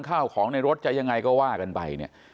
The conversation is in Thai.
ข้าวของในรถจะยังไงก็ว่ากันไปเนี่ย